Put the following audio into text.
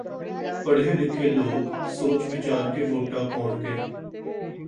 ਪੜ੍ਹੇਲਿਖੇ ਲੋਕ ਸੋਚ ਵਿਚਾਰ ਕੇ ਵੋਟਾਂ ਪਾਉਣਗੇ